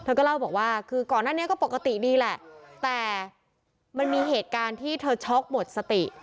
ก็เล่าบอกว่าคือก่อนหน้านี้ก็ปกติดีแหละแต่มันมีเหตุการณ์ที่เธอช็อกหมดสติ